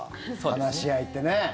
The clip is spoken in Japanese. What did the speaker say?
話し合いってね。